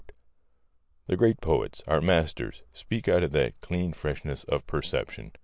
The great poets, our masters, speak out of that clean freshness of perception.